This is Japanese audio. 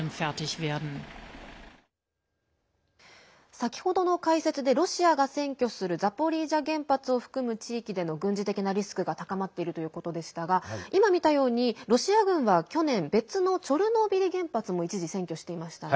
先ほどの解説でロシアが占拠するザポリージャ原発を含む地域での軍事的なリスクが高まっているということでしたが今、見たように、ロシア軍は去年別のチョルノービリ原発も一時、占拠していましたね。